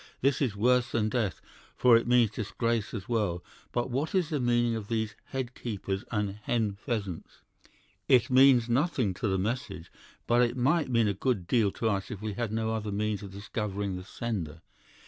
'This is worse than death, for it means disgrace as well. But what is the meaning of these "head keepers" and "hen pheasants"?' "'It means nothing to the message, but it might mean a good deal to us if we had no other means of discovering the sender.